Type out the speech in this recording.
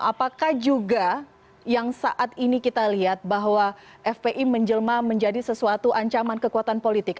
apakah juga yang saat ini kita lihat bahwa fpi menjelma menjadi sesuatu ancaman kekuatan politik